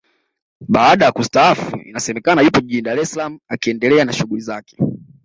Baada kustaafu inasemekana yupo jijini Dar es Salaam akiendelea na shughuli zake